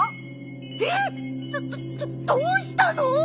どどどうしたの！？